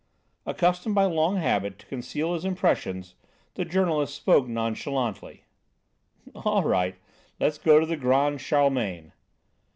Accustomed by long habit to conceal his impressions, the journalist spoke nonchalantly: "All right; let's go to the 'Grand Charlemagne.'"